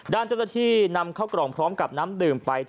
ด้านเจ้าหน้าที่นำเข้ากล่องพร้อมกับน้ำดื่มไป